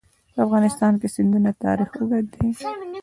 په افغانستان کې د سیندونه تاریخ اوږد دی.